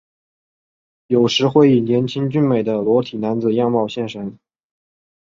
有时会以年轻俊美的裸体男子样貌现身。